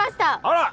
あら！